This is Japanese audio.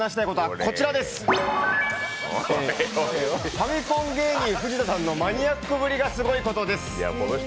ファミコン芸人・フジタさんのマニアックぶりがすごいことです。